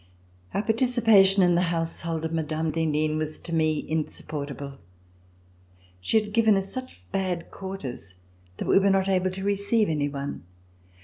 Our participation in the household of Mme. d'Henin was to me insupportable. She had given us such bad quarters that we were not able to receive any one.